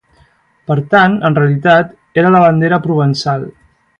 Per tant, en realitat, era la bandera provençal.